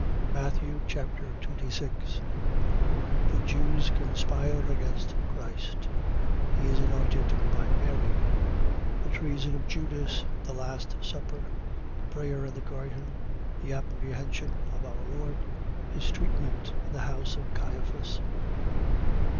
Matthew Chapter 26 The Jews conspire against Christ. He is anointed by Mary. The treason of Judas. The last supper. The prayer in the garden. The apprehension of our Lord. His treatment in the house of Caiphas.